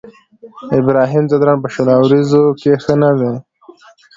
ابراهيم ځدراڼ په شل اوريزو کې ښه نه دی.